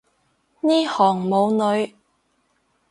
呢行冇女